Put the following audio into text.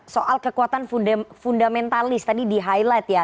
soal kekuatan fundamentalis tadi di highlight ya